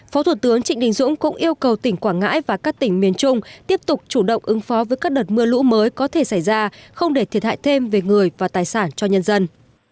phó thủ tướng trịnh đình dũng cũng yêu cầu tỉnh quảng ngãi và các tỉnh miền trung tiếp tục chủ động ứng phó với các đợt mưa lũ mới có thể xảy ra không để thiệt hại thêm về người và tài sản cho nhân dân